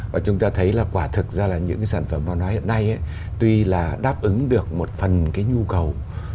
và chúng ta thấy là quả thực ra là những cái sản phẩm văn hóa hiện nay tuy là đáp ứng được một phần cái nhu cầu